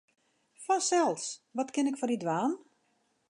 Fansels, wat kin ik foar dy dwaan?